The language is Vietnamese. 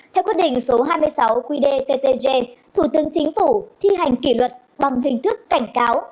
theo quyết định số hai mươi sáu qdttg thủ tướng chính phủ thi hành kỷ luật bằng hình thức cảnh cáo